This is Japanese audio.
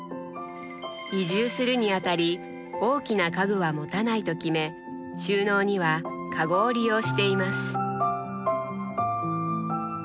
移住するにあたり大きな家具は持たないと決め収納にはかごを利用しています。